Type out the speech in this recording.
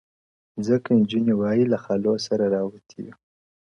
ځكه انجوني وايي له خالو سره راوتي يــو؛